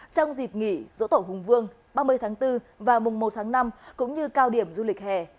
trong dịp nghỉ dỗ tổ hùng vương ba mươi tháng bốn và mùng một tháng năm cũng như cao điểm du lịch hè